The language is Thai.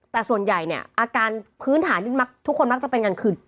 แต่ส่วนใหญ่เนี่ยอาการพื้นฐานที่ทุกคนมักจะเป็นกันคือ